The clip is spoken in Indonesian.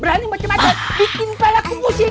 berani macem macem bikin kepala aku pusing